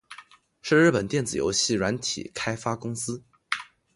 是日本电子游戏软体开发公司。